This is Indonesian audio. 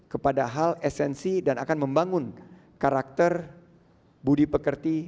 kepada hal esensi dan akan membangun karakter budi pekerti